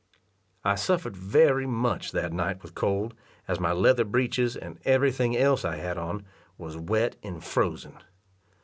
I suffered very much that night with cold, as my leather breeches, and every thing else I had on, was wet and frozen.